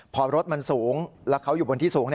พอรถมันสูงแล้วเขาอยู่บนที่สูง